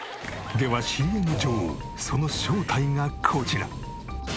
ではＣＭ女王その正体がこちら。